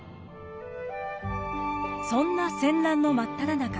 そんな戦乱の真っただ中。